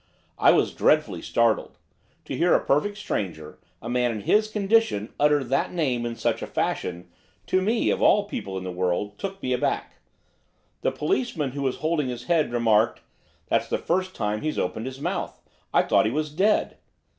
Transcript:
I was dreadfully startled. To hear a perfect stranger, a man in his condition, utter that name in such a fashion to me, of all people in the world! took me aback. The policeman who was holding his head remarked, "That's the first time he's opened his mouth. I thought he was dead."